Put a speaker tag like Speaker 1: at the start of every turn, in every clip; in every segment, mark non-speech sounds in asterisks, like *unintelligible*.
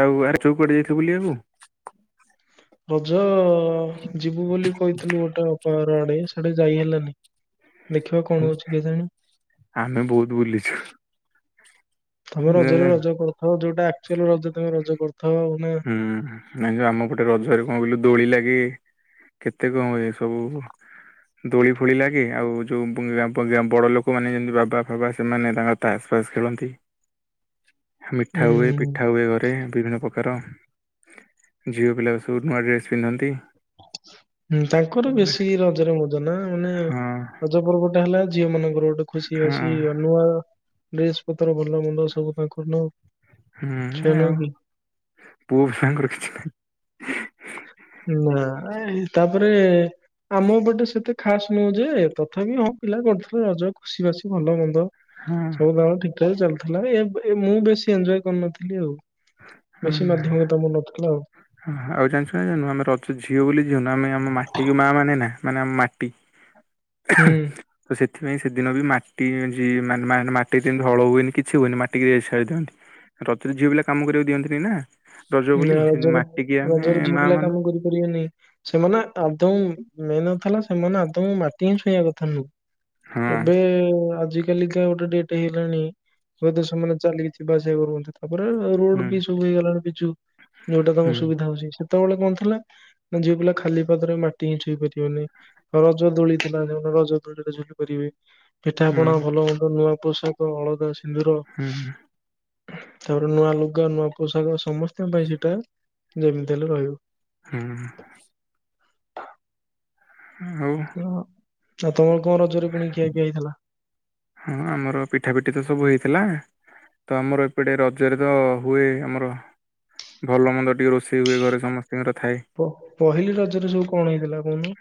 Speaker 1: ଆଉ *unintelligible* ଯାଇଥିବ ବୁଲିବାକୁ।
Speaker 2: ରଜ ଯିବୁ ବୋଲି କହିଥିଲୁ ଗୋଟେହାର ଆଡେ ସେଡେ ଯାଇ ହେଲାନି। ଦେଖିବା
Speaker 1: ହୁଁ,
Speaker 2: କଣ ହଉଛି କେଜାଣି।
Speaker 1: ଆମେ ବହୁତ ବୁଲିଛୁ।
Speaker 2: ତମେ
Speaker 1: ଜା-
Speaker 2: ରଜରେ
Speaker 1: ଜା-
Speaker 2: ରଜ କରିଥା ଯୋଉଟା ଆକ୍ଚୁଆଲି ରଜ ତମେ ରଜ କରିଥା।
Speaker 1: ହୁଁ ହୁଁ ଜଉ ଆମ ପଟେ ରଜରେ କଣ କହିଲୁ ଦୋଳି ଲାଗି କେତେ କଣ ହୁଏ ସବୁ ଦୋଳି ଫୋଳି ଲାଗେ ଆଉ ଯୋଉ ବଡ଼ ଲୋକମାନେ ଯେମିତି ବାବା ଫବା ସେମାନେ ତାଙ୍କର ତାସ୍ ଫାସ୍ ଖେଳନ୍ତି। ମିଠା ହୁଏ
Speaker 2: ଉଁ
Speaker 1: ପିଠା ହୁଏ ଘରେ ବିଭିନ୍ନ ପ୍ରକ କାର ଝିଅ ପିଲାବି ସବୁ ନୂଆ ଡ୍ରେସ୍ ପିନ୍ଧନ୍ତି।
Speaker 2: ହୁଁ ତାଙ୍କର ବେଶୀ ରଜରେ ମଜ ନା ମାନେ
Speaker 1: ହଁ
Speaker 2: ରଜ ପର୍ବଟା ହେଲା ଝିଅ ମାନଙ୍କର ଗୁଟେ ଖୁସି
Speaker 1: ହଁ
Speaker 2: ବାସି ନୂଆ ଡ୍ରେସ ପତ୍ର ଭଲ ମନ୍ଦ ସବୁ ତାଙ୍କର ନଉ
Speaker 1: ହୁଁ ଆଉ ପୁଅ ପିଲାଙ୍କର କିଛି ନାହିଁ।
Speaker 2: ନା ଏଇ ତାପରେ ଆମ ପଟେ ସେତେ ଖାସ ନୁହୁଁ ଯେ ତଥାପି ହଁ ପିଲା କରୁଥିଲେ ରଜ ଖୁସି ବାସି ଭଲ ମନ୍ଦ
Speaker 1: ହଁ।
Speaker 2: ସବୁ ତାଳ ଠିକଠାକ ଚାଲିଥିଲା ଏ ମୁଁ ବେଶୀ ଏଞ୍ଜୟ କରିନଥିଲି ଆଉ
Speaker 1: ହଁ
Speaker 2: ବେଶୀ
Speaker 1: ନା ନା,
Speaker 2: ମାଧ୍ୟମତା ମନ ରଖିଥିଲା ଆଉ।
Speaker 1: ହଁ ଆଉ ଜାଣିଛୁ ନା ଜାଣିନୁ ଆମ ରଜ ଝିଅ ବୋଲି ଝଅନୁ ଆମେ ଆମ ମାଟିକୁ ମା ମାନେ ନା ମାନେ ଆମ ମାଟି
Speaker 2: ହୁଁ
Speaker 1: *inaudible* ତ ସେଥିପାଇଁ ସେଦିନ ବି ମାଟି ଯ ମାନେ ମାଟି ଯେମିତି ହଳ ହୁଏନି କିଛି ହୁଏନି ମାଟିିକି ଯେ ରେଷ୍ଟ ଛାଡ଼ି ଦିଅନ୍ତି। ରଜରେ ଝିଅ ପିଲା କାମ କରିବାକୁ ଦିଅନ୍ତିନି ନା ରଜ
Speaker 2: ନା
Speaker 1: ବୋଲି ସେମିତି ମାଟିିକି ଆମେ ମା ମାନୁ।
Speaker 2: କରିବେନି ସେମାନେ ଆଦୌ ମେନ କଥା ହେଲା ସେମାନେ ଆଦୌ ମାଟିହିଁ ଛୁଇଁବା କଥା ନୁହଁ।
Speaker 1: ହଁ
Speaker 2: ଏବେ ଆଜି କାଲି କିନା ଗୋଟେ ଡେଟ ହେଇଲାଣି ବୋଧେ ସେମାନେ ଚାଲିକି ଜିବା ଆସିବା କରୁସନ୍ତି ତାପରେ
Speaker 1: ହୁଁ
Speaker 2: ରୋଡ ବି ସବୁ ହେଇଗଲାଣି ପିଚୁ। ଯଉଟା ତାଙ୍କୁ
Speaker 1: ହୁଁ
Speaker 2: ସୁବିଧା ହଉଚି ସେତେବେଳେ କଣ ଥିଲା ନା ଝିଅପିଲା ଖାଲି ପାଦରେ ମାଟି ହିଁ ଛୁଇଁ ପାରିବେନି। ରଜ ଦୋଳି ଥିଲା ରଜ ଦୋଳିରେ ଝୁଲି ପାରିବେ।
Speaker 1: ହୁଁ
Speaker 2: ପିଠାପଣା ଭଲ ମନ୍ଦ ନୂଆ ପୋଷାକ ଅଳତା ସିନ୍ଦୁର
Speaker 1: ହୁଁ
Speaker 2: ତାପରେ ନୂଆ ଲୁଗା ନୂଆ ପୋଷାକ ସମସ୍ତଙ୍କ ପାଇଁ ସେଟା ଯେମିତି ହେଲେ ରହିବ।
Speaker 1: ହୁଁଉଁ। ହଉ।
Speaker 2: ହଁ ଆଉ ତମର କଣ ରଜରେ ପୁଣି ଖିଆ ପିଆ ହେଇଥିଲା?
Speaker 1: ହଁ ଆମର ପିଠା ପିଠି ତ ସବୁ ହେଇଥିଲା। ତ ଆମର ଏପଟେ ରଜରେ ତ ହୁଏ ଆମର ଭଲ ମନ୍ଦ ଟିକେ ରୋଷେଇ ହୁଏ ଘରେ ସମସ୍ତିଙ୍କର ଥାଏ।
Speaker 2: ପ ପହିଲି ରଜରେ ସବୁ କଣ ହେଇଥିଲା କହୁନ?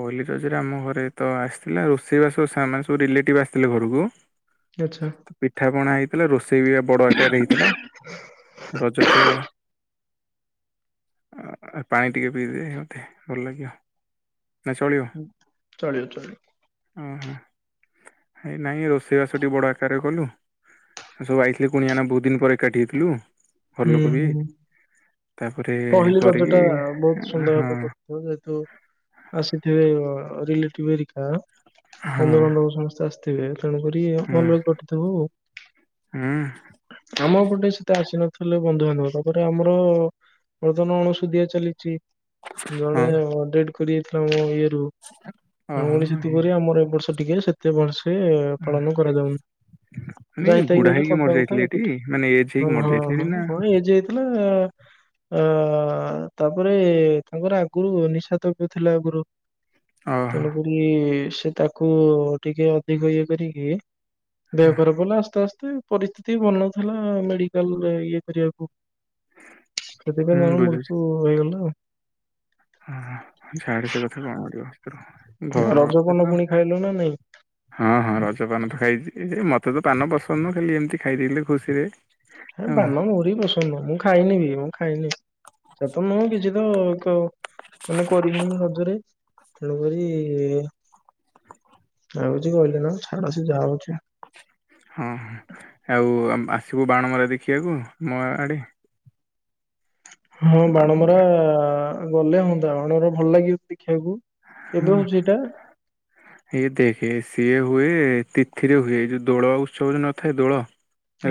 Speaker 1: ପହିଲି ରଜରେ ଆମ ଘରେ ତ ଆସିଥିଲା ରୋଷେଇ ବାସ ସାମାନ ସବୁ ରିଲେଟିଭ୍ ଆସିଥିଲେ ଘରକୁ।
Speaker 2: ଆଚ୍ଛା।
Speaker 1: ପିଠା ପଣା ହେଇଥିଲା ରୋଷେଇ ବି ଆ ବଡ ଆକାରରେ ହେଇଥିଲା। ରଜ ଖେଳ ଅ ଅ ପାଣି ଟିକେ ପିଇଦିଏ ମତେ ଭଲ ଲାଗିବ। ନା ଚଳିବ।
Speaker 2: ହଁ ଚଳିବ ଚଳିବ।
Speaker 1: ଉହୁଁ ଏଇ ନାଇଁ ରୋଷେଇବାସଟିକେ ବଡ ଆକାରରେ କଲୁ। ସବୁ ଆଇଥିଲେ କୁଣିଆନା ବହୁତ ଦିନ ପରେ ଏକାଠି ହେଇଥିଲୁ। ଘର
Speaker 2: ହୁଁ
Speaker 1: ଲୋକ ବି
Speaker 2: ହୁଁ
Speaker 1: ତାପରେ
Speaker 2: ପହିଲି ରଜ
Speaker 1: କରିକି
Speaker 2: ଟା ବହୁତ ସୁନ୍ଦର
Speaker 1: ହଁ
Speaker 2: ଭାବେ କରୁଥିବ ଯେହେତୁ ଆସିଥିବେ ରିଲେଟିଭ ଘରିକା
Speaker 1: ହଁ
Speaker 2: ବନ୍ଧୁବାନ୍ଧବ ସମସ୍ତେ ଆସିଥିବେ ତେଣୁ କରି
Speaker 1: ହୁଁ
Speaker 2: ଭଲ କଟିଥବ ଆଉ
Speaker 1: ହୁଁ
Speaker 2: ଆମ ପଟେ ସେତେ ଆସିନ ଥିଲେ ବନ୍ଧୁବାନ୍ଧବ ତାପରେ ଆମର ବର୍ତ୍ତମାନ ଅଣସୁଧିଆ ଚାଲିଚି ଜଣେ
Speaker 1: ହଁ
Speaker 2: ଡେଡ଼ କରି ଯାଇଥିଲେ ଆମ ଇଏରୁ। ତେଣୁକରି
Speaker 1: ଓହୋ
Speaker 2: ସେଥିପରି
Speaker 1: ହେ-
Speaker 2: ଆମର ଏ ବର୍ଷ ଟିକେ ସେତେ ଭଲସେ
Speaker 1: ହଁ।
Speaker 2: ପାଳନ କରାଯାଉନି।
Speaker 1: ମାନେ
Speaker 2: ଯାଇତାଇ କି
Speaker 1: ବୁଢା
Speaker 2: ଗୋଟେ
Speaker 1: ହେଇକି ମରି
Speaker 2: କରିଦବା
Speaker 1: ଯାଇଥିଲେ
Speaker 2: କଥା
Speaker 1: ଏଠି
Speaker 2: ପିଠା
Speaker 1: ମାନେ ଏଜ
Speaker 2: ହଁ
Speaker 1: ହେଇକି ମରି
Speaker 2: ହଁ
Speaker 1: ଯାଇଥିଲେ ଏଠି ନା
Speaker 2: ହଁ ହଁ। ଯାଇଥିଲା ଅ ତାପରେ ତାଙ୍କର ଆଗରୁ ନିଶାତବ ଥିଲା ଆଗରୁ।
Speaker 1: ଓହୋ
Speaker 2: ତେଣୁକରି ସେ ତାକୁ ଟିକେ ଅଧିକ ଇଏ କରିକି। ଦେହ ଖରାପ ହେଲା ଆସ୍ତେ ଆସ୍ତେ ପରିସ୍ଥିତି ଭଲନଥିଲା ମେଡିକାଲରେ ଇଏ କରିବାକୁ ସେଥିପାଇଁ
Speaker 1: ହୁଁ
Speaker 2: ଜଣ
Speaker 1: ବୁଝୁଛି
Speaker 2: ମୁର୍ତୁ ହେଇଗଲା ଆଉ।
Speaker 1: ଛାଡେ ସେ କଥା କଣ କରିବ। ଘର
Speaker 2: ରଜ
Speaker 1: କଥା ତ
Speaker 2: ପାନ ପୁଣି ଖାଇଲୁ ନା ନାଇଁ।
Speaker 1: ହଁ ହଁ ରଜ ପାନ ତ ଖାଇଛି ମତେ ତ ପାନ ପସନ୍ଦ ନୁହଁ ଖାଲି ଏମିତି ଖାଇଦେଇଥିଲେ ଖୁସିରେ।
Speaker 2: ହେ
Speaker 1: ଆଉ
Speaker 2: ପାନ ମୋର ବି ପସନ୍ଦ ନୁହଁ ମୁଁ ଖାଇନିବି ମୁଁ ଖାଇନିି। ସେ ତ ନୁହଁ କିଛି ତ ମାନେ କରି ହଉନି ରଜରେ। ତେଣୁକରି ଆଉ କିଛି କହିଲେନ ଛାଡ ସେ ଯା ହଉଛି।
Speaker 1: ହଁ ଆଉ ଆସିବୁ ବାଣ ମରା ଦେଖିବାକୁ ମୋ ଆଡ଼େ।
Speaker 2: ହଁ ବାଣମରା ଗଲେ ହୁଅନ୍ତା। ବାଣମରା ଭଲ ଲାଗିବ କି ଦେଖିବାକୁ।
Speaker 1: ହଁ
Speaker 2: କେବେ ହଉଛି ଏଟା।
Speaker 1: ଇଏ ଦେଖେ ସିଏ ହୁଏ ତିଥିରେ ହୁଏ। ଏ ଯଉ ଦୋଳ ଉତ୍ସବ ଯଉ ନଥାଏ ଦୋଳ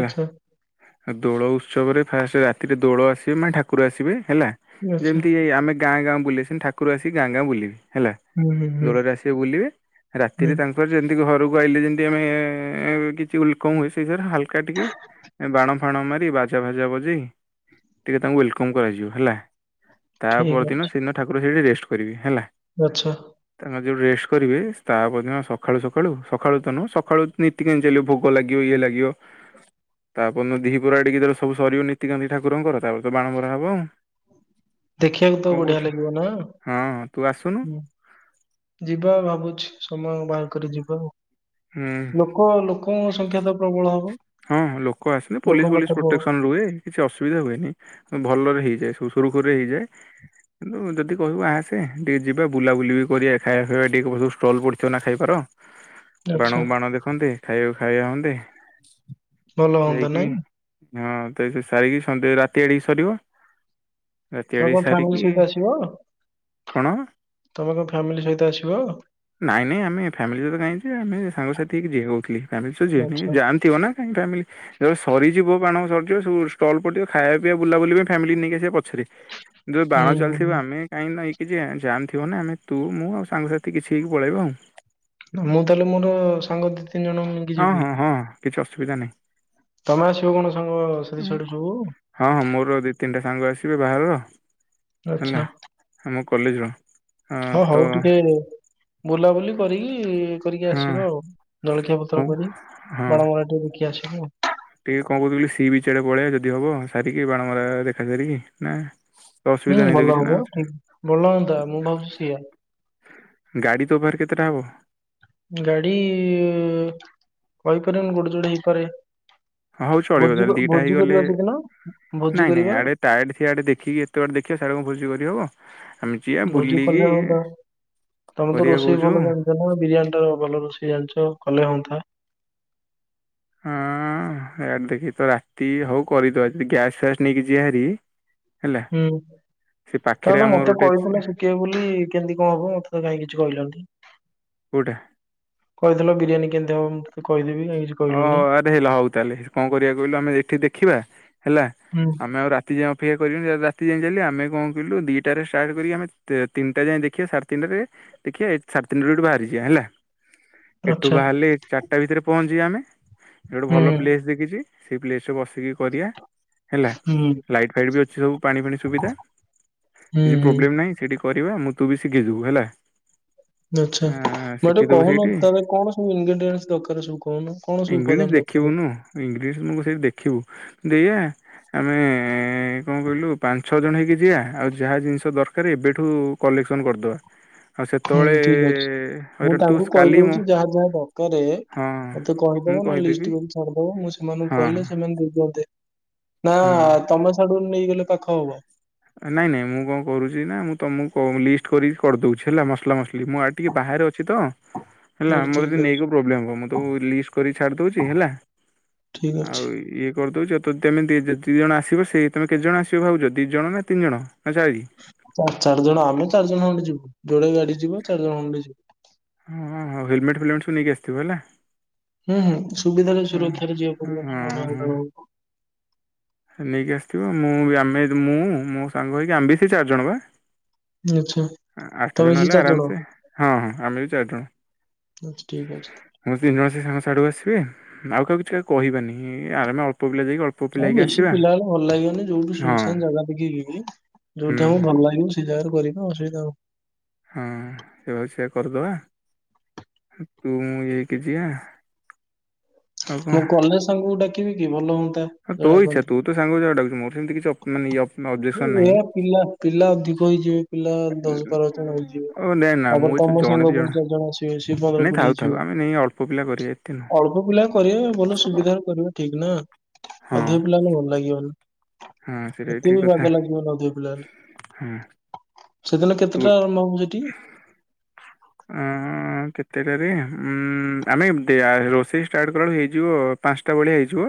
Speaker 2: ଆଚ୍ଛା
Speaker 1: ଆଉ ଦୋଳ ଉତ୍ସବରେ ଫାଷ୍ଟ ରାତିରେ ଦୋଳ ଆସିବେ ମାନେ ଠାକୁର ଆସିବେ ହେଲା
Speaker 2: ଆଚ୍ଛା
Speaker 1: ଯେମିତି ଆମେ ଗାଁ ଗାଁ ବୁଲିବେ ସେମତି ଠାକୁର ଆସିକି ଗାଁ ଗାଁ ବୁଲିବେ ହେଲା
Speaker 2: ହୁଁ ହୁଁ ହୁଁ
Speaker 1: ଦୋଳରେ ଆସିବେ ବୁଲିବେ
Speaker 2: ହୁଁ
Speaker 1: ରାତିରେ ତାଙ୍କ ଯେମିତି ଘରକୁ ଆଇିଲେ ଯେମିତି ଆମେ କିଛି ୱଲକମ ୱାଇସ ହୁଏ ହାଲକା ଟିକେ ବାଣ ଫାଣ ମାରି ବାଜା ଭାଜା ବଜେଇ ଟିକେ ତାଙ୍କୁ ୱେଲକମ୍ କରାଯିବ ହେଲା। ତା
Speaker 2: ଠିକ ଅଛି
Speaker 1: ପରଦିନ ସେଦିନ ଠାକୁର ସେଇଠି ରେଷ୍ଟ କରିବେ ହେଲା।
Speaker 2: ଆଚ୍ଛା
Speaker 1: ତାଙ୍କର ଯେଉଁ ରେଷ୍ଟ କରିବେ ତା ପରଦିନ ସଖାଳୁ ସଖାଳୁ ସଖାଳୁ ତ ନୁହଁ ସଖାଳୁ ନୀତିକାନ୍ତି ଚାଲିବ ଭୋଗ ଲାଗିବ ଇଏ ଲାଗିବ ତା ପରଦିନ ଦିପହର ଆଡିକି ଯେତେବେଳେ ସରିବ ନୀତିକାନ୍ତି ଠାକୁରଙ୍କର ତାପରେ ତ ବାଣମରା ହବ ଆଉ
Speaker 2: ଦେଖିବାକୁ ତ
Speaker 1: କଣ
Speaker 2: ବଢିଆ
Speaker 1: କହୁଛୁ
Speaker 2: ଲାଗିବ ନା,
Speaker 1: ହଁ ତୁ ଆସୁନୁ
Speaker 2: ହୁଁ ଯିବା ଭାବୁଛି ସମୟ ବାହାର କରି ଯିବା ଆଉ
Speaker 1: ହୁଁଉଁ
Speaker 2: କଣ ଲୋକଙ୍କ ସଂଖ୍ୟା ତ ପ୍ରବଳ ହବ।
Speaker 1: ହଁ ଲୋକ ଆସିଲେ
Speaker 2: ଲୋକ
Speaker 1: ପୋଲିସ
Speaker 2: ମାତ୍ରା
Speaker 1: ଫୋଲିସ
Speaker 2: ପ୍ରବଳ
Speaker 1: ପ୍ରୋଟେକ୍ସନ ରୁହେ କିଛି ଅସୁବିଧା ହୁଏନି ଭଲରେ ହେଇଯାଏ ସବୁ ସୁରୁଖୁରୁରେ ହେଇଯାଏ। କିନ୍ତୁ ଯଦି କହିବୁ ଆସେ ଟିକେ ଯିବା ବୁଲାବୁଲି ବି କରିବା ଖାଇବା ଫାଇବା ଟିକେ କରିଦବୁ ଷ୍ଟଲ୍ ପଡ଼ିଥିବ ନା ଖାଇବାର।
Speaker 2: *inaudible*
Speaker 1: ବାଣକୁ ବାଣ ଦେଖନ୍ତେ ଖାଇବାକୁ ଖାଇବା ହନ୍ତେ
Speaker 2: ଭଲ ହୁଅନ୍ତା
Speaker 1: ଯାଇକି
Speaker 2: ନାଇଁ।
Speaker 1: ହଁ ତ ଏଠୁ ସାରିକି ସନ୍ଧ୍ୟା ରାତି ଆଡିକି ସରିବ ରାତି
Speaker 2: ତମେ
Speaker 1: ଆଡିକି
Speaker 2: କଣ ଫ୍ୟାମିଲି
Speaker 1: ସାରିକି
Speaker 2: ସହିତ ଆସିବ।
Speaker 1: କଣ
Speaker 2: ତମେ କଣ ଫ୍ୟାମିଲି ସହିତ ଆସିବ।
Speaker 1: ନାଇଁ ନାଇଁ ଆମେ ଫାମିଲି ସହିତ କାହିଁ ଯିବା ଆମେ ସାଙ୍ଗସାଥି ହେଇକି ଯିବା କହୁଥିଲି ଫ୍ୟାମିଲି ସହିତ
Speaker 2: ଆଚ୍ଛା।
Speaker 1: ଯିବାନି ଯାମ ଥିବନା। କାହିଁକି ଫ୍ୟାମିଲି ଯେବେ ସରିଯିବ ବାଣ ସରିଯିବ ସବୁ ଷ୍ଟଲ ପଡିଥିବ ଖାଇବା ପିଇବା ବୁଲାବୁଲିି ପାଇଁ ଫ୍ୟାମିଲି ନେଇକି ଆସିବା ପଛରେ
Speaker 2: *inaudible*
Speaker 1: ଯୋଉ ବାଣ
Speaker 2: ହୁଁ
Speaker 1: ଚାଲିଥିବା ଆମେ କାହିଁକି ନାଁ ଏ କଛି ଜାମ୍ ଥିବ ନା ଆମେ ତୁ ମୁଁ ଆଉ ସାଙ୍ଗସାଥି କିଛି ହେଇକି ପଳେଇବା ଆଉ
Speaker 2: ମୁଁ ତାହେଲେ ମୋର ସାଙ୍ଗ ଦି ତିନି ଜଣଙ୍କୁ ନେଇକି
Speaker 1: ହଁ
Speaker 2: ଯିବି।
Speaker 1: ହଁ ହଁ କିଛି ଅସୁବିଧା ନାହିଁ
Speaker 2: ତମେ ଆସିବ କଣ ସାଙ୍ଗ ସାଡ଼ୁ ସାଡୁ ସବୁ
Speaker 1: ହଁ ହଁ ମୋର ଦି ତିନିଟା ସାଙ୍ଗ ଆସିବେ ବାହାରର ହେଲା
Speaker 2: ଆଚ୍ଛା
Speaker 1: ଆମ କଲେଜର ହଁ
Speaker 2: ହଉ
Speaker 1: ତ
Speaker 2: ଟିକେ ବୁଲାବୁଲି କରିକି କରିକି
Speaker 1: ହଁ
Speaker 2: ଆସିବ ଆଉ ଜଳଖିଆ ପତ୍ର
Speaker 1: କଉ
Speaker 2: କରି
Speaker 1: ହଁ
Speaker 2: ବାଣମରା ଟିକେ ଦେଖି ଆସିବ ଆଉ।
Speaker 1: ଟିକେ କଣ କହୁଥିଲି ସି ବିଚ ଆଡେ ପଳେଇଆ ଯଦି ହବ ସାରିକି ବାଣମରା ଦେଖା ସାରିକି ନାଁ
Speaker 2: ହୁଁ ଭଲ ହବ ଠିକ ଭଲ ହୁଅନ୍ତା ମୁଁ ଭାବୁଛି ସେଇଆ।
Speaker 1: ଗାଡ଼ି ତୋ ପାଖରେ କେତେଟା ହବ।
Speaker 2: ଗାଡି କହିପାରିବିନି ଗୋଟେ ଜୋଡେ ହେଇପାରେ।
Speaker 1: ହଉ ଚଳିବ
Speaker 2: ଭୋଜି
Speaker 1: ତାହେଲେ
Speaker 2: କ
Speaker 1: ଦିଟା
Speaker 2: ଭୋଜି କରିବା ସେଦିନ ଭୋଜି କରିବା
Speaker 1: ଟାୟାର୍ଡ଼ଥିବା ଆଡ଼େ ଦେଖିକି ଏତେବାଟ ଦେଖିବା ସାଡେ କଣ ଭୋଜିି କରିହବ। ଆମେ ଯିବା
Speaker 2: ଭୋଜି
Speaker 1: ବୁଲିକି
Speaker 2: କଲେ ହଅନ୍ତା। ତମେ ତ
Speaker 1: କରିବା
Speaker 2: ରୋଷେଇ
Speaker 1: କହୁଛୁ
Speaker 2: ଭଲ
Speaker 1: ହଁ
Speaker 2: ଜାଣିଚ। ମୋ ବିରିୟାନୀ ଠାରୁ ଭଲ ରୋଷେଇ ଜାଣିଛ କଲେ ହୁଅନ୍ତା।
Speaker 1: ହଁ ଇଆଡ଼େ ଦେଖିତ ରାତି ହଉ କରିଦବା ଯି ଗ୍ୟାସ୍ ଫ୍ୟାସ୍ ନେଇକି ଯିବା ହାରି ହେଲା
Speaker 2: ହୁଁ
Speaker 1: ସେ ପାଖରେ ଆମର
Speaker 2: ତମତେ
Speaker 1: ଗୋଟେ
Speaker 2: କହିଥିଲେ କିଏ ବୋଲି କେମିତି କଣ ହବ ମତେତ କାହିଁ କିଛି କହିଲନି।
Speaker 1: କୋଉଟା?
Speaker 2: କହିଥିଲ ବିରିୟାନୀ କେମିତି ହବ କହିଦେବି କାଇଁ କିଛି
Speaker 1: ଓହୋ
Speaker 2: କହିଲନି।
Speaker 1: ଆରେ ହେଲା ହଉ ତାହେଲେ କଣ କରିବାକୁ କହିଲୁ ଆମେ ଏଠି ଦେଖିବା ହେଲା
Speaker 2: ହୁଁ
Speaker 1: ଆମେ ଆଉ ରା ରାତି ଯାଇଏ ଅପେକ୍ଷା କରିବି ରାତି ଯାଇ ଯାଲି ଆମେ କଁ କଇଁଲୁ ଦିଇଟାରେ ଷ୍ଟଟ୍ କରିକି ଆମେ ତେ ତିନିଟା ଯାଏ ଦେଖିବା ସାଢ଼େ ତିନିଟାରେ ଦେଖିବା ଏଇ ସାଢ଼େ ତିିନିଟାରେ ଗୋଟ ବାହାରିଯିବା ହେଲା
Speaker 2: *inaudible*
Speaker 1: ଏଠୁ ବାହାରିଲେ ଚାରିଟା ଭିତରେ ପହଞ୍ଚିବା ଆମେ ଗୋଟେ
Speaker 2: ହୁଁ
Speaker 1: ଭଲ ପ୍ଲେ ଦେଖିଚି ସେଇ ପ୍ଲେସରେ ବସିକି କରିବା ହେଲା
Speaker 2: ହୁଁ
Speaker 1: ଲାଇଟ୍ ଫାଇଟବି ଅଛି ସବୁ ପାଣି ଫାଣି ସୁବିଧା
Speaker 2: ହୁଁ
Speaker 1: କିଛି
Speaker 2: ହୁଁ
Speaker 1: ପ୍ରୋବ୍ଲେମ୍ ନାହିଁ ସେଇଠି କରିବା ମୁଁ ତୁବି ଶିଖିଯିବୁ ହେଲା
Speaker 2: ଆଚ୍ଛା
Speaker 1: ଆଁ
Speaker 2: ମତେ
Speaker 1: ଶିଖିଦବୁ
Speaker 2: କହୁନ
Speaker 1: ସେଇଠି।
Speaker 2: ତାର କଣ ସବୁ ଇନଗ୍ରେଡିଏଟ ଦରକାର୍ ସବୁ କହୁନ? କଣ ସବୁ
Speaker 1: ଇଂଲି
Speaker 2: ଉପାଦାନ ଦରକାର?
Speaker 1: ଦେଖିବୁନୁ। ଇଂଗ୍ରିଡ଼ିଏନ୍ସ ମୁଁ ସେଇଠି ଦେଖିବୁ ଦେଇଆ ଆମେ କଣ କହିଲୁ ପାଞ୍ଚ ଛଅ ଜଣ ହେଇକି ଯିବା ଆଉ ଯାହା ଜିନିଷ ଦରକାର୍ ଏବେଠୁ କଲେକ୍ସନ କରିଦେବା
Speaker 2: ହୁଁ ଠିକ୍ ଅଛି ମୁଁ
Speaker 1: ହଇରାଣ ତୁ
Speaker 2: ତାଙ୍କୁ
Speaker 1: କାଲି ମୋ
Speaker 2: କହିଦଉଚି ଯାହା ଯାହା
Speaker 1: ହଁ
Speaker 2: ଦରକାର୍ ତ
Speaker 1: ମୁଁ
Speaker 2: କହିଦବ ନହେଲେ
Speaker 1: କହିଦେବି
Speaker 2: ଲିଷ୍ଟ କରି ଛାଡ଼ିଦବ ମୁଁ ସେମାନଙ୍କୁ
Speaker 1: ହଁ
Speaker 2: କହିଲେ ସେମାନେ ଦେଇଦିଅନ୍ତେ। ନା
Speaker 1: ହଁ
Speaker 2: ତମେ ସାଡ଼ୁ ନେଇଗଲେ ପାଖ ହବ?
Speaker 1: ନାଇଁ ନାଇଁ ମୁଁ କଁ କରୁଚିନା ମୁଁ ତମକୁ ଲିଷ୍ଟ କରିକି କରିଦଉଚି ହେଲା ମସଲା ମସଲି ମୁଁ ଟିକେ ବାହାରେ ଅଛିତ
Speaker 2: *inaudible*
Speaker 1: ହେଲା ମୋରେ ଟିକେ
Speaker 2: ଠିକ ଅଛି
Speaker 1: ନେଇକି ପ୍ରୋବ୍ଲେମ୍ ହବ ମୁଁ ତାକୁ ଲିଷ୍ଟ କରି ଛାଡ଼ିଦଉଚି ହେଲା
Speaker 2: ଠିକ ଅଛି।
Speaker 1: ଆଉ ଇଏ କରିଦଉଚ ତୁ ତେମେ ଦୁଇ ଜଣ ଆସିବ ସେଇ ତୁମେ କେତେଜଣ ଆସିବ ଭାବୁଚ ଦୁଇ ଜଣ ନା ତିନି ଜଣ ନା ଚାରି?
Speaker 2: ଚାରି ଜଣ ଆମେ ଚାରି ଜଣ ଖଣ୍ଡେ ଯିବୁ ଯୋଡ଼େ ଗାଡ଼ି ଯିବ ଚାରି ଜଣ ହଣ୍ଡେ ଯିବୁ।
Speaker 1: ହଁ ହଁ ହଁ ହେଲମେଟ୍ ଫଲମେଟ୍ ସବୁ ନେଇକି ଆସିଥିବୁ ହେଲା?
Speaker 2: ହୁଁ ହୁଁ ସୁବିଧାରେ
Speaker 1: ହଁ
Speaker 2: ସୁରକ୍ଷାରେ ଯିବା
Speaker 1: ହଁ
Speaker 2: ପଡ଼ିବନା
Speaker 1: ହଁ
Speaker 2: *unintelligible*
Speaker 1: ନେଇକି ଆସିଥିବ ମୁଁବି ଆମେ ମୁଁ ମୋ ସାଙ୍ଗ ହୋଇକି ଆମ୍ବି ସେଚାରିଜଣବା
Speaker 2: ଆଚ୍ଛା।
Speaker 1: ଆଠ
Speaker 2: ତମେ
Speaker 1: ଜଣ
Speaker 2: ସେ
Speaker 1: ହେଲେ
Speaker 2: ଚାରି
Speaker 1: ଆରାମସେ ହଁ ହଁ ଆମେବି ଚାରିଜଣ।
Speaker 2: ଆଛା ଠିକ୍ ଅଛି ତାହେଲେ।
Speaker 1: ମୁଁ ତିନି ଜଣ ସେସାଙ୍ଗ ସାଡ଼ୁ ଆସିବେ ଆଉ କାହାକୁ କିଛି କହିବାନି ଆମେ ଅଳ୍ପ ପିଲାଯାଇକି ଅଳ୍ପ ପିଲା ହୋଇକି ଆସି
Speaker 2: ପିଲାଗଲେ ଭଲ ଲାଗିବନି ଯୋଉଠି ସୁନସାନ୍ ଜାଗା ଦେଖିକି *unintelligible*
Speaker 1: ହୁଁ
Speaker 2: ଯୋଉଠି ଆମ ଭଲ ଲାଗିବ ସେଜାଗାରେ କରିବା ଅସୁବିଧା ଆଉ
Speaker 1: ହଁ ଏବର୍ଷ ସେୟା କରିଦବା ତୁ ମୁଁ ଏକେ ଯିବା ଆଉ କଣ
Speaker 2: ମୋ କଲେଜ୍ ସାଙ୍ଗକୁ ଡାକିବିକି ଭଲ ହୁଅନ୍ତା।
Speaker 1: ହଁ ତୋ ଇଚ୍ଛା ତୁ ତ ସାଙ୍ଗକୁ ଯାହାକୁ ଡାକୁଛୁ ମୋର ସେମିତି କିଛି ଅପ ମାନେ ଇଏ ଅବଜେକ୍ସନ
Speaker 2: ଡାକନ୍ତି
Speaker 1: ନାହିଁ।
Speaker 2: ଏୟା ପିଲା ପିଲା ଅଧିକ ହେଇଯିବେ ପିଲା ଦଶ ବାର ଜଣ ହେଇଯିବେ
Speaker 1: ଓ ନାଇଁ ନା ମୁଁ
Speaker 2: ତାପରେତ
Speaker 1: ଏଇ
Speaker 2: ଆମ
Speaker 1: ଜଣେ ଦି
Speaker 2: ସାଙ୍ଗ ପୁଣି ଚାରି ଜଣ ଆସିବେ ମିଶିକି ପନ୍ଦର କୋଡ଼ିଏ ହେଇଯିବେ।
Speaker 1: ପୁଅପିଲା କରିବେ ଏଠି ନୁହଁ।
Speaker 2: ଅଳ୍ପ ପିଲା କରିବା ଭଲ ସୁବିଧାରେ କରିବା ଠିକନା
Speaker 1: ହଁ
Speaker 2: ଅଧିକ ପିଲା ହେଲେ ଭଲଲାଗିବନି।
Speaker 1: ହଁ ସେଇଟା ବି ଠିକ
Speaker 2: ଏତେବି
Speaker 1: କଥା
Speaker 2: ବାଗ ଲାଗିବନି ଅଧିକ
Speaker 1: ହଁ
Speaker 2: ପିଲାହେଲେ। ସେଦିନ
Speaker 1: ତୁ
Speaker 2: କେତେଟାରେ ନବୁ ସେଠିକି?
Speaker 1: ଉଁ ହୁଁ। ହଁ କେତେଟାରେ ଉଁ ଆମେ ଦେ ଆ ରୋଷେଇ ଷ୍ଟାର୍ଟ କଲା ଅଳୁ ହେଇଯିବ ପାଂଶଟା ଭଳିଆ ହେଇଯିବ।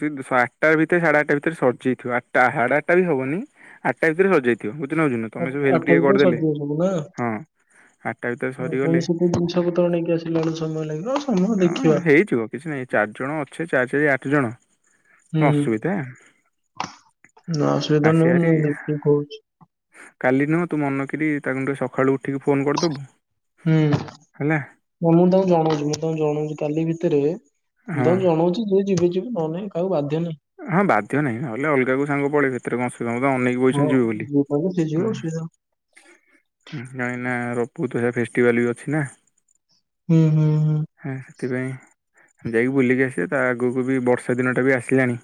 Speaker 1: ସେ ଆଠଟା ଭିତରେ ସାଢ଼େ ଆଠଟା ଭିତରେ ସରିଯାଇଥିବ ଆଠଟା ସାଢ଼େ ଆଠଟା ବି ହବନି ଆ ଟାଇପିରେ ସରିଯାଇଥିବ ମତେ ନାଗୁଚି ନା
Speaker 2: ଆ-
Speaker 1: ତମେ ସବୁ ହେଲ୍ପ
Speaker 2: ଆଠଟା
Speaker 1: ଟିକେ
Speaker 2: ଭିତରେ
Speaker 1: କରିଦେଲେ
Speaker 2: ସରିଯିବ ସବୁ ନା
Speaker 1: ହଁ। ଆଟା ଭିତରେ
Speaker 2: ଆଉ
Speaker 1: ସରିଗଲେ
Speaker 2: ପୁଣି ସେଠୁ ଜିନିଷ ପତ୍ର ନେଇକି ଆସିଲା ବେଳକୁ ସମୟ ଲାଗିବ ଆଉ ସମୟ ଦେଖିବା।
Speaker 1: ଅଁ ହେଇଥିବ। କିଛି ନାଇଁ ଚାରି ଜଣ ଅଛେ ଚାରି ଚାରି ଆଠ ଜଣ
Speaker 2: ହୁଁ
Speaker 1: ଅଁସୁବିଧା?
Speaker 2: ନାଁ ଅସୁବିଧା ନୁହଁ ମୁଁ ଦେଖିକି କହୁଚି।
Speaker 1: କାଲି ନୁହଁ ତୁ ମନକିରି ତାଙ୍କୁଠୁ ସଖାଳୁ ଉଠି ଫୋ
Speaker 2: ହୁଁ। ବ ମୁଁ ତାଙ୍କୁ ଜଣଉଚି ମୁଁ ତାଙ୍କୁ ଜଣଉଚି କାଲି ଭିତରେ ମୁଁ
Speaker 1: ହଁ
Speaker 2: ତାଙ୍କୁ ଜଣଉଚି ଯିଏ ଯିବେ ଯିବେ ନହଲେ ନାଇଁ। କହାକୁ ବାଧ୍ୟ ନାହିଁ।
Speaker 1: ହଁ ବାଧ୍ୟ ନାହିଁ ନହେଲେ ଅଲଗା କୋଉ ସାଙ୍ଗ ପଳେଇବେ ହେଥିରେ କଁ ଅସୁ ସମତେ ଅନେକକି ବଇଛନ୍ତି ଯିବେ ବୋଲି।
Speaker 2: ଅଁ ଯେ ଯିବ ସିଏ ଯାଉ।
Speaker 1: ହଁ କାଇଁକି ନାଁ ରପୁ ତୁ ଯା ଫେଷ୍ଟିଭାଲ ବି ଅଛି ନା।
Speaker 2: ଉଁ ହୁଁ ହୁଁ।
Speaker 1: ହଁ ସେଥିପାଇଁ ଯାଇକି ବୁଲିକି ଆସିବେ ତା ଆଗୁକୁ ବି ବର୍ଷା ଦିନଟା ବି ଆସିଲାଣି।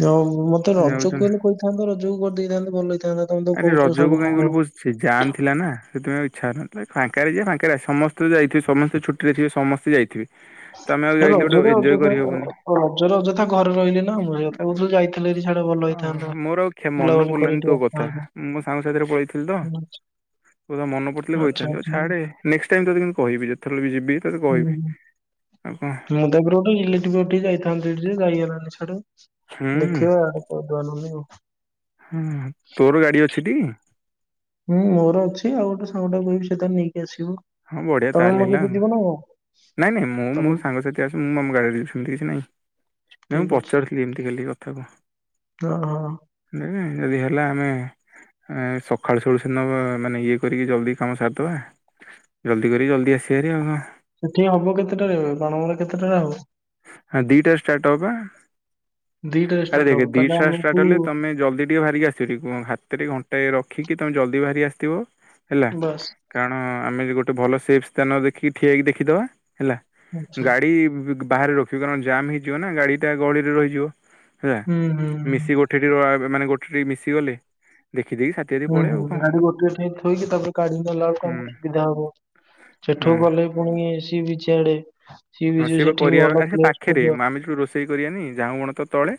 Speaker 2: ଯା ହୋଉ ମତେ
Speaker 1: ଯାଉଛୁ
Speaker 2: ରଜକୁ
Speaker 1: ନା
Speaker 2: ହେଲେ କହିଥାନ୍ତ ରଜକୁ କରିଦେଇଥାନ୍ତେ ଭଲ ହେଇଥାନ୍ତା ତମେ ତ
Speaker 1: ଆରେ
Speaker 2: କହୁଚ
Speaker 1: ରଜକୁ
Speaker 2: ସାଙ୍ଗ
Speaker 1: କାହିଁ କହିଲୁ
Speaker 2: ସାଙ୍ଗ।
Speaker 1: ବହୁତ ସେ ଜାମ୍ ଥିଲା ନାଁ ସେଥିପାଇଁ ଆଉ ଇଚ୍ଛା ହଉନଥିଲା ଫାଙ୍କରେ ଯିବା ଫାଙ୍କରେ ଆ ସମସ୍ତେ ଯାଇଥିବେ ସମସ୍ତେ ଛୁ ଟିରେଥିବେ ସମସ୍ତେ ଯାଇଥିବେ‌।
Speaker 2: ହ *unintelligible* ଡେ ରଜରେ ଅଯଥା ର ରଜରେ ଅଯଥା ଘରେ ରହିଲି ନା ମୁଁ ସେଇଥିପାଇଁ କୋହୁଥିଲି ଯାଇଥିଲେ ହାରି ସିଆଡେ ଭଲ ହେଇ
Speaker 1: ଓହୋ ମୋର ଆଉ ଖେ ମନ ପଡ଼ିଲାନି ତୋ କ ତା
Speaker 2: ଆସିଥାନ୍ତେ।
Speaker 1: ମୋ ସାଙ୍ଗ ସାଥିରେ ପଳେଇଥିଲି ତ
Speaker 2: ହୁଁ,
Speaker 1: ତୋ କଥା ମନେ ପଡ଼ିଥିଲେ
Speaker 2: ଆଚ୍ଛା
Speaker 1: କହିଥାନ୍ତି ଆଉ
Speaker 2: ଆଚ୍ଛା
Speaker 1: ଛାଡ଼େ। ନେକ୍ସ ଟାଇମ୍ ତତେ କିନ୍ତୁ କହିବି ଯେତଳେ ବି ଯିବି। ତୋତେ
Speaker 2: ହୁଁ
Speaker 1: କହିବି। ଆଉ କଣ
Speaker 2: ମୁଁ ଜୟପୁର ଗୋଟେ ଇଲେଟ୍ରି ପଠି ଯାଇଥାନ୍ତି ଯେ ଯାଇ ହେଲାନି ସ୍ୟାଡ଼େ
Speaker 1: ହୁଁ
Speaker 2: ଦେଖିବା ଆଉ। କରଦବା ନହେନେ ଆଉ।
Speaker 1: ହୁଁ ତୋର ଗାଡ଼ି ଅଛି ଟି?
Speaker 2: ହୁଁ ମୋର ଅଛି ଆଉ ଗୋଟେ ସାଙ୍ଗଟାକୁ କହିଚି ସିଏ ତାର ନେଇକି ଆସିବ।
Speaker 1: ହଁ ବଢ଼ିଆ
Speaker 2: ତମେ
Speaker 1: ତାହେଲେ
Speaker 2: ମୋ
Speaker 1: ହେଲା
Speaker 2: ସହିତ ଯିବ ନା କଣ?
Speaker 1: ନାଇଁ ନାଇଁ ମୁଁ ମୋ
Speaker 2: ତମେ
Speaker 1: ସାଙ୍ଗସାଥି ତି ଆସେ ମୁଁ ଆମ ଗାଡ଼ିରେ ଯାଇଥାନ୍ତି କିଛି ନାଇଁ ନାଇଁ ମୁଁ
Speaker 2: ଠିକ
Speaker 1: ପଚାରୁଥିଲି ଏମିତି ଖାଲି କଥାକୁ।
Speaker 2: ଅହ।
Speaker 1: ନେ ଦେଖେ ଯଦି ହେଲା ଆମେ ଅଁ ସଖାଳୁ ସଖାଳୁ ସେ ଦିନ ମାନେ ଇଏ କରିକି ଜଲ୍ଦି କାମ ସାରିଦବା। ଜଲ୍ଦି କରି ଜଲ୍ଦି ଆସିବା ହାରି ଆଉ କଁ?
Speaker 2: ସେଠି ହବ କେତେଟାରେ ବଣମୂଳେ କେତେଟାରେ ହବ?
Speaker 1: ଆ ଦିଟାରେ ଷ୍ଟାର୍ଟ ହବ ପା
Speaker 2: ଦିଟାରେ
Speaker 1: ଆରେ
Speaker 2: ଷ୍ଟାର୍ଟ
Speaker 1: ଦେଖେ
Speaker 2: ହବ ତାହେଲେ
Speaker 1: ଦିଷ୍ଟା ଷ୍ଟାର୍ଟ
Speaker 2: ଆମକୁ
Speaker 1: ହେଲେ ତମେ ଜଲଦି ଟିକେ ବାହାରିକି ଆସିଥିବେ ଟିକେ କୁଅ ହାତରେ ଘଣ୍ଟାଏ ରଖିକି ତମେ ଜଲ୍ଦି ବାହାରି ଆସିଥିବ ହେଲା।
Speaker 2: ବାସ୍
Speaker 1: କାରଣ ଆମେ ଗୋଟେ ଭଲ ସେଫ୍ ସ୍ଥାନ ଦେଖି ଠିଆ ହେଇକି ଦେଖିଦବା ହେଲା
Speaker 2: ଆଚ୍ଛା
Speaker 1: ଗାଡ଼ି ବି ବାହାରେ ରଖିବି କାରଣ ଜାମ୍ ହେଇଯିବ ନା ଗାଡ଼ିଟା ଗହଳିରେ ରହିଯିବ ହେଲା
Speaker 2: ହୁଁ ହୁଁ।
Speaker 1: ମିଶି ଗୋ ଠିଟି କ ଆ ମାନେ ଗୋଟେ ଟିକେ ମିଶି ଗଲେ ଦେଖି ଦେଇକି ସା
Speaker 2: ଉଁ ହୁଁ ଗାଡ଼ି ଗୋଟିଏ ଠାଇଁ ଥୋଇକି ତାପରେ କାଢ଼ି ନେଲା ଅଳୁକୁ
Speaker 1: ହୁଁ
Speaker 2: ଆମୂକୁ ଅସୁବିଧା ହବ
Speaker 1: ହଁ
Speaker 2: ସେଠୁ ଗଲେ ପୁଣି ସି ବିଚ ଆଡ଼େ
Speaker 1: ହଁ ସିଏ ବା କରିବା ବା ଆଃ ସେ ପାଖେରେ ମ ଆମେ ଯୋଉ ରୋଷେଇ କରିବାନି ଝାଉଁବଣ ତା ତଳେ।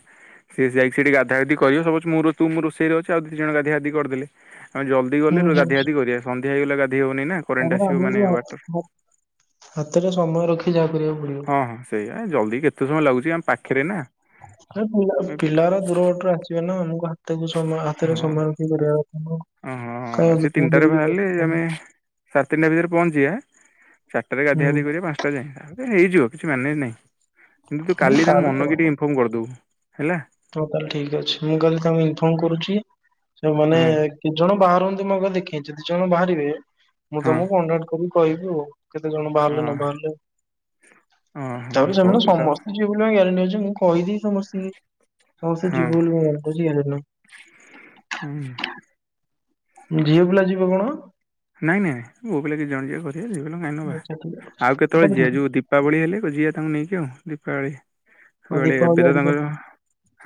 Speaker 1: ସିଏ ଯାଇକି ସେଠି ଗାଧା ଗଧି କରିବେ ସବୁ ଅଛି ମୁଁ ରୁଅ ତୁ ମୁଁ ରୋଷେଇରେ ଅଛି ଆଉ ଦି ଜଣ ଗାଧିଆଧି କରଦେଲେ। ଆମେ ଜଲ୍ଦି ଗଲେ
Speaker 2: ହୁଁ ହୁଁ।
Speaker 1: ଗାଧା ଗାଧି କରିବା ସନ୍ଧ୍ୟା ହେଇଗଲେ ଗାଧେଇ ହବନି ନା। କରେଣ୍ଟ
Speaker 2: ତାପରେ
Speaker 1: ଆସିବ ମାନେ
Speaker 2: ଆମକୁ ହାତ୍
Speaker 1: ୱାଟର।
Speaker 2: ହାତ୍ ହାତରେ ସମୟ ରଖି ଯାହା କରିବାକୁ ପଡ଼ିବ।
Speaker 1: ହଁ ସେଇଆ ଜଲ୍ଦି କେତେ ସମୟ ଲାଗୁଛି ଆମ ପାଖରେ ନା।
Speaker 2: ଅତେବ ପିଲାଉରା ପିଲାଉରା ଦୂର ବାଟରୁ ଆସିବେ ନା ଆମକୁ ହାତକୁ ସମୟ ହାତରେ ସମୟ ଦୂରରେ ରଖ।
Speaker 1: ଓହୋ ସେ ତିନିଟାରେ ବାହାରିଲେ ଆମେ ସାଢ଼େ ତିନିଟା ଭିତରେ ପହଞ୍ଚିବା ଚାରିଟାରେ ଗାଧିଆ
Speaker 2: ହୁଁ
Speaker 1: ଗାଧି କରି ପାଞ୍ଚ କେତେବେଳେ ଯାଏଁ ଆଉ ହେଇଯିବ କିଛି ମାନେ ନାହିଁ। କିନ୍ତୁ
Speaker 2: ହଁ
Speaker 1: କାଲି ତାଙ୍କ
Speaker 2: ତାହେଲେ
Speaker 1: ମନକି ଟିକେ ଫୋନ୍ କରିଦବୁ ହେଲା।
Speaker 2: ହଁ ତାହେଲେ ଠିକ୍ ଅଛି। ମୁଁ କାଲି ତାଙ୍କୁ ଇନଫର୍ମ କରୁଚି। ସେ ମାନେ
Speaker 1: ହଁ
Speaker 2: କେତେ ଜଣ ବାହାରନ୍ତୁ ମୁଁ ଆଗ ଦେଖେ ଦି ଜଣ ବାହାରିବେ। ମୁଁ
Speaker 1: ହଁ
Speaker 2: ତମକୁ କଣ୍ଟାକ୍ଟ କରିକି କହିବି ଆଉ। କେତେ ଜଣ
Speaker 1: ଅ
Speaker 2: ବାହାରିଲେ ନ ବାହାରିଲେ *unintelligible*
Speaker 1: ଓହୋ ହଉ
Speaker 2: ସେମାନେ
Speaker 1: ତୁ ତା
Speaker 2: ସମସ୍ତେ। ଯିବେ ବୋଲି ଗ୍ୟାରେଣ୍ଟ ଅଛି ମୁଁ କହିଦେଇ ସମସ୍ତିଙ୍କି ସମସ୍ତେ
Speaker 1: ହଁ
Speaker 2: ଯିବେ ବୋଲି ହଉଛି ଗ୍ୟାରେଣ୍ଟର।
Speaker 1: ହୁଁ।
Speaker 2: ଝିଅ ପିଲା ଯିବେ କଣ?
Speaker 1: ନାଇଁ ନାଇଁ ପୁଅ ପିଲା କେତେ ଜଣ ଯିବେ କରିବେ ଝିଅ ପିଲା କାଇଁ ନବା
Speaker 2: ଆଚ୍ଛା ଠିକ୍ ଅଛି।
Speaker 1: ଆଉ
Speaker 2: ହଉ
Speaker 1: କେତେବେଳେ
Speaker 2: ତାହେଲେ
Speaker 1: ଦିଆ ଯାଉ
Speaker 2: ଠିକ୍ ଅଛି।
Speaker 1: ଯୋଉ ଦିପ୍ ଦୀପାବଳି ହେଲେ ଯିବା ତାଙ୍କୁ ନେଇକି ଆଉ କଣ ଦୀପାବଳି
Speaker 2: ଆଉ
Speaker 1: କହିଲେ
Speaker 2: ଦୀପାବଳି
Speaker 1: ଏବେ ତ
Speaker 2: ଆଡିକି
Speaker 1: ତାଙ୍କର